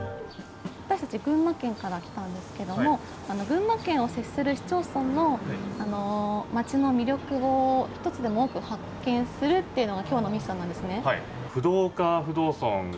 私たち群馬県から来たんですけども群馬県と接する市町村の町の魅力を１つでも多く発見するっていうのが今日のミッションなんですね。